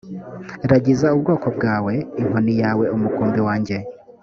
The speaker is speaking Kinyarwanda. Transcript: ragiza ubwoko bwawe inkoni yawe umukumbi wanjye